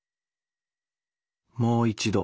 もう一度。